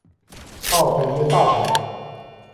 号本院大臣。